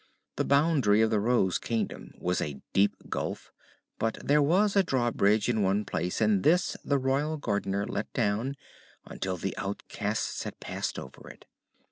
The boundary of the Rose Kingdom was a deep gulf, but there was a drawbridge in one place and this the Royal Gardener let down until the outcasts had passed over it.